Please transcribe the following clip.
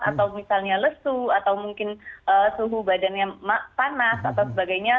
atau misalnya lesu atau mungkin suhu badannya panas atau sebagainya